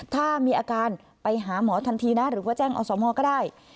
ถ้ามีอาการไปหาหมอทันทีนะหรือว่าแจ้งอสมก็ได้